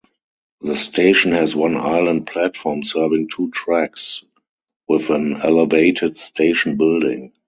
The station has one island platform serving two tracks, with an elevated station building.